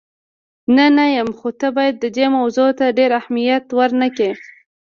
نه، نه یم، خو ته باید دې موضوع ته ډېر اهمیت ور نه کړې.